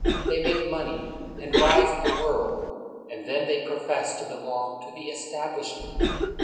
They make money, and rise in the world, and then they profess to belong to the Establishment.